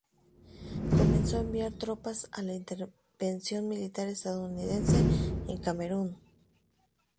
Comenzó a enviar tropas a la intervención militar estadounidense en Camerún.